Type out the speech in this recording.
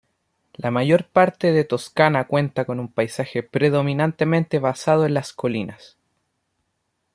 La mayor parte de Toscana cuenta con un paisaje predominantemente basado en las colinas.